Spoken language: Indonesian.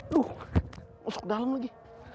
aduh masuk dalam lagi